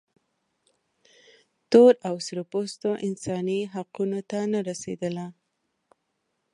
تور او سره پوستو انساني حقونو ته نه رسېدله.